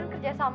jika ada apa apa